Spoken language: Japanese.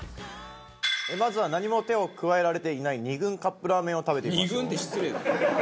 まずは何も手を加えられていない２軍カップラーメンを食べてみましょう。